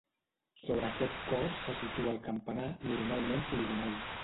Sobre aquest cos se situa el campanar, normalment poligonal.